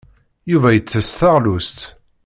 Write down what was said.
Yuba yettess taɣlust.